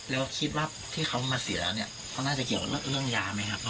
แล้วคิดว่าที่เขามาเสียแล้วเนี่ยเขาน่าจะเกี่ยวเรื่องยาไหมครับ